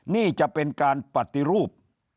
นี่จะเป็นการปฏิรูป